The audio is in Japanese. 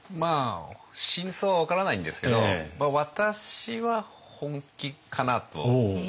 真相は分からないんですけど私は本気かなと。